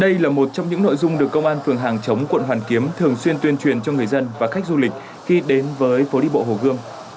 đây là một trong những nội dung được công an phường hàng chống quận hoàn kiếm thường xuyên tuyên truyền cho người dân và khách du lịch khi đến với phố đi bộ hồ gươm